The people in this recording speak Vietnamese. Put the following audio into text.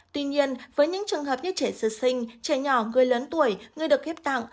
tuy nhiên với những trường hợp như trẻ sơ sinh trẻ nhỏ người lớn tuổi người được ghép tặng